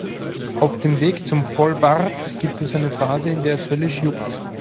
Auf dem Weg zum Vollbart gibt es eine Phase, in der es höllisch juckt.